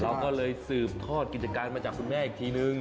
เราก็เลยสืบทอดกิจการมาจากคุณแม่อีกทีนึง